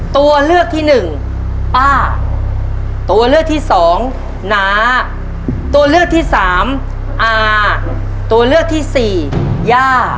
ตัวเลือกที่หนึ่งป้าตัวเลือกที่สองน้าตัวเลือกที่สามอาตัวเลือกที่สี่ย่า